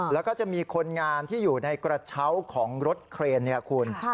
แล้วก็จะมีคนงานที่อยู่ในกระเช้าของรถเครนเนี่ยคุณ